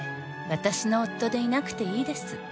「私の夫でいなくていいです」